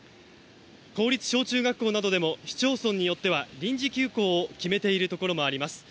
公立小中学校などでも市町村によっては臨時休校を決めているところもあります。